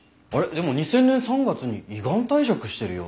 でも２０００年３月に依願退職してるよ。